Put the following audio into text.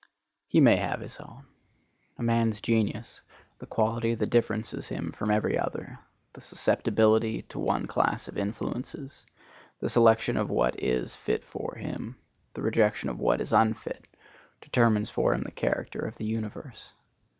He may have his own. A man's genius, the quality that differences him from every other, the susceptibility to one class of influences, the selection of what is fit for him, the rejection of what is unfit, determines for him the character of the universe.